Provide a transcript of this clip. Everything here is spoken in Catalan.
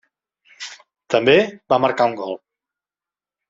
També va marcar un gol.